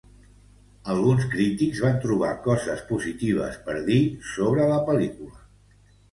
Alguns crítics van trobar coses positives per dir sobre la pel·lícula.